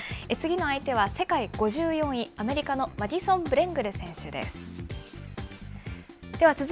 次の相手は、世界５４位、アメリカのマディソン・ブレングル選手です。